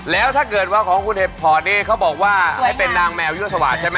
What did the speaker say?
แล้วถ้าเกิดว่าของคุณเห็บพอร์ตนี่เขาบอกว่าให้เป็นนางแมวยุสวาสใช่ไหม